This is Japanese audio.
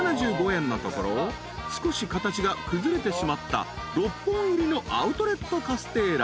［少し形が崩れてしまった６本入りのアウトレットカステーラ］